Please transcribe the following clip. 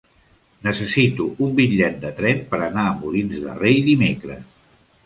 Necessito un bitllet de tren per anar a Molins de Rei dimecres.